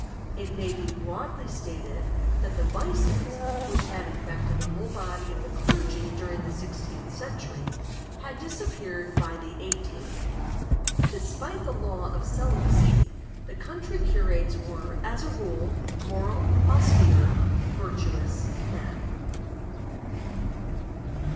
It may be broadly stated that the vices which had infected the whole body of the clergy during the sixteenth century had disappeared by the eighteenth; despite the law of celibacy, the country curates were, as a rule, moral, austere, virtuous men.